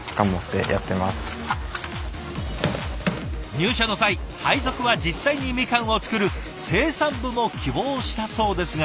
入社の際配属は実際にみかんを作る生産部も希望したそうですが。